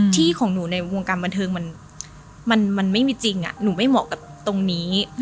ที่ของหนูในวงการบันเทิงมันไม่มีจริงหนูไม่เหมาะกับตรงนี้